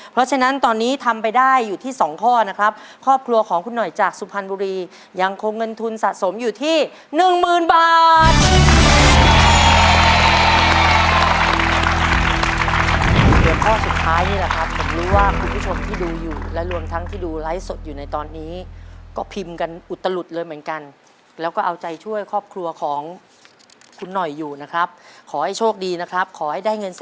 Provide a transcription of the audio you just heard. เพลงใดไม่ได้อยู่ในอัลบั้มขาขาวสาวลำซิ่ง